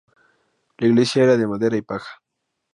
La iglesia era de madera y paja.